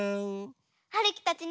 はるきたちね